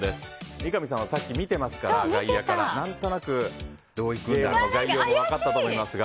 三上さんは、さっき外野から見てますから何となく概要が分かったと思いますが。